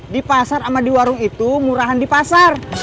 di pasar sama di warung itu murahan di pasar